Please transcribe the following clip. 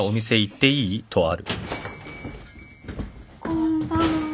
・こんばんは。